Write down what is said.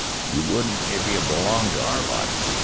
"You wouldn't if you belonged to our lot.